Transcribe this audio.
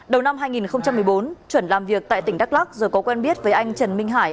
đầu năm hai nghìn một mươi bốn chuẩn làm việc tại tỉnh đắk lắc rồi có quen biết với anh trần minh hải